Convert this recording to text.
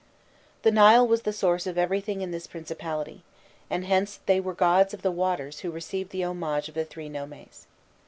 The Nile was the source of everything in this principality, and hence they were gods of the waters who received the homage of the three nomes.